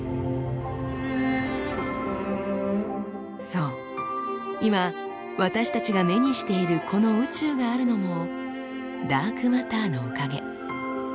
そう今私たちが目にしているこの宇宙があるのもダークマターのおかげ。